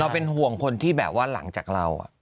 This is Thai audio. เป็นห่วงคนที่แบบว่าหลังจากเรา